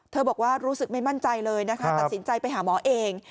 บอกว่ารู้สึกไม่มั่นใจเลยนะคะตัดสินใจไปหาหมอเอง